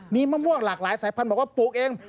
มีมะม่วงหลากหลายสายพันธุ์บอกว่าปลูกเอง